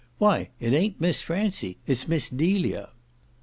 "Why, it ain't Miss Francie it's Miss Delia!"